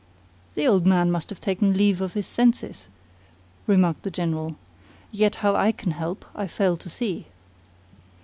"The old man must have taken leave of his senses," remarked the General. "Yet how I can help you I fail to see."